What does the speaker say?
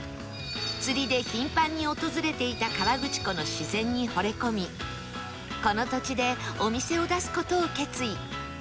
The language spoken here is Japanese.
釣りで頻繁に訪れていた河口湖の自然にほれ込みこの土地でお店を出す事を決意